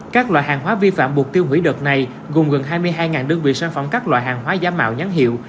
các loại hàng hóa vi phạm buộc tiêu hủy đợt này gồm gần hai mươi hai đơn vị sản phẩm các loại hàng hóa giả mạo nhãn hiệu